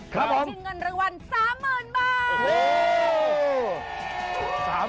เขาได้ชิงเงินรางวัล๓๐๐๐๐บาท